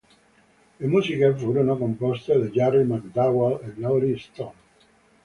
Le musiche furono composte da Garry McDonald e Laurie Stone.